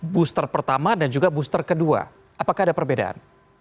booster pertama dan juga booster kedua apakah ada perbedaan